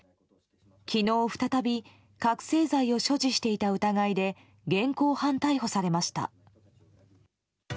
昨日、再び覚醒剤を所持していた疑いで現行犯逮捕されました。